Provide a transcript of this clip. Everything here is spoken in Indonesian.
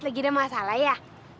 lagi ada masalah ya